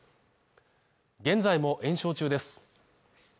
現在も延焼中です。